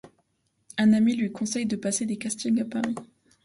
Une amie lui conseille de passer des castings à Paris.